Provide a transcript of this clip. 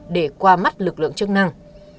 để qua mắt lực lượng chức năng